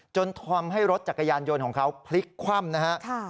จนทำให้รถจักรยานยนต์ของเขาพลิกคว่ำนะฮะ